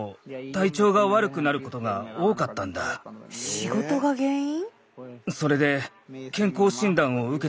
仕事が原因？